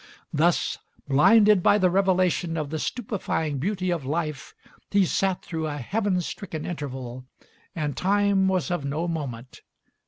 Thus, blinded by the revelation of the stupefying beauty of life, he sat through a heaven stricken interval, and time was of no moment.